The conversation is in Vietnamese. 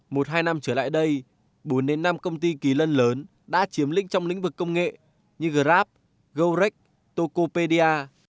một hai năm trở lại đây bốn năm công ty kỳ lân lớn đã chiếm linh trong lĩnh vực công nghệ như grab gorec tokopedia